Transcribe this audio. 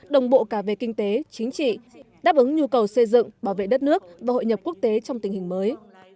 đồng bộ cả về kinh tế chính trị đáp ứng nhu cầu xây dựng bảo vệ đất nước và hội nhập quốc tế trong tình hình mới